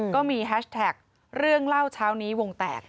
ก็มีแฮชแท็กเรื่องเล่าเช้านี้วงแตก